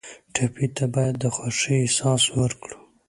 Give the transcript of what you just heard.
ټپي ته باید د خوښۍ احساس ورکړو.